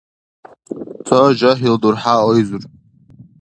Ца жагьил дурхӀя айзур.